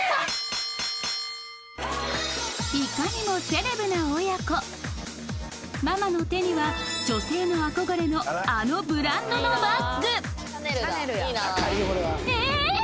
いかにもセレブな親子ママの手には女性の憧れのあのええっ！？